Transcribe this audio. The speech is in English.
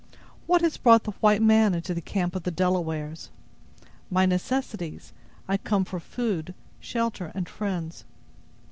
"What has brought the white man into the camp of the Delawares?" "My necessities. I come for food, shelter, and friends."